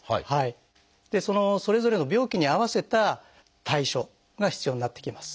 それぞれの病期に合わせた対処が必要になってきます。